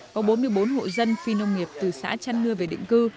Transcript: có bốn mươi bốn hộ dân phi nông nghiệp từ xã trăn ngưa về định cư